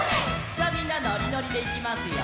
みんなのりのりでいきますよ！